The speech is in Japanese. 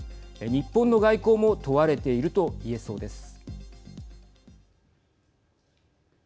日本の外交も問われていると言えそうです。